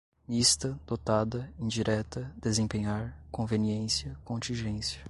mista, dotada, indireta, desempenhar, conveniência, contingência